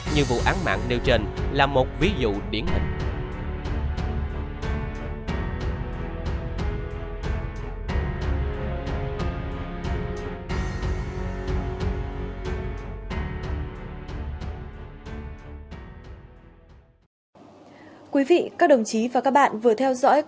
như vụ án mạng nêu trên là một ví dụ điển hình